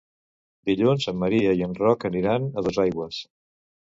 Dilluns en Maria i en Roc aniran a Dosaigües.